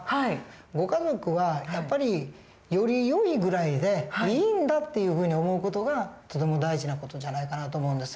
ご家族はやっぱりよりよいぐらいでいいんだっていうふうに思う事がとても大事な事じゃないかなと思うんです。